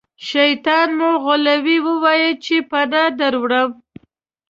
شیطان مو غولوي ووایئ چې پناه دروړم.